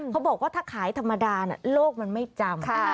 เขาบอกว่าถ้าขายธรรมดาโลกมันไม่จำ